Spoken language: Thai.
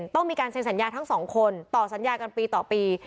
ต้องมีการเซ็นสัญญาทั้งสองคนต่อสัญญากันปีต่อปี